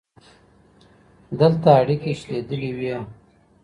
دلته اړيکي شلېدلي وي.